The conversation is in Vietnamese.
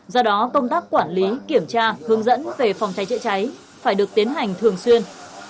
do đó công tác quản lý kiểm tra hướng dẫn về phòng cháy chữa cháy phải được tiến hành thường xuyên